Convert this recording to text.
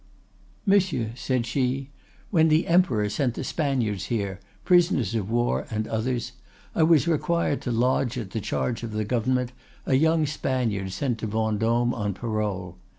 "'Monsieur,' said she, 'when the Emperor sent the Spaniards here, prisoners of war and others, I was required to lodge at the charge of the Government a young Spaniard sent to Vendôme on parole.